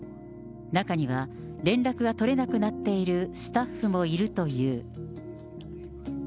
中には、連絡が取れなくなっているスタッフもいるという。